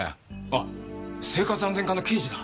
あ生活安全課の刑事だ。